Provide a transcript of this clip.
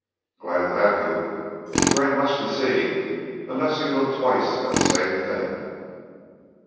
"Glad to have you. But they ain't much to see unless you look twice at the same thing."